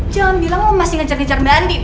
jangan bilang lo masih ngejar ngejar bandit